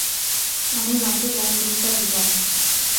আমি মাকে বন্দুক টা দিলাম।